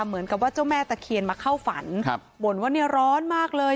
เหมือนกับว่าเจ้าแม่ตะเคียนมาเข้าฝันครับบ่นว่าเนี่ยร้อนมากเลย